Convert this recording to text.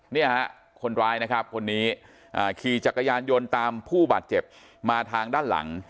เนี่ยฮะคนร้ายนะครับคนนี้ขี่จักรยานยนต์ตามผู้บาดเจ็บมาทางด้านหลัง